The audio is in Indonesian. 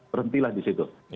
berhentilah di situ